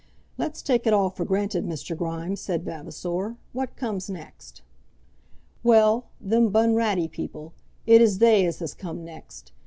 "Let's take it all for granted, Mr. Grimes," said Vavasor. "What comes next?" "Well; them Bunratty people; it is they as has come next.